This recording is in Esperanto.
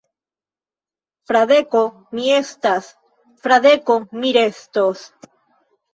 Fradeko mi estas; Fradeko mi restos.